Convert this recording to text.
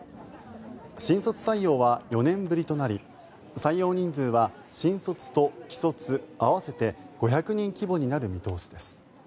新卒採用は４年ぶりとなり採用人数は新卒と既卒合わせて５００人規模になる見通しです。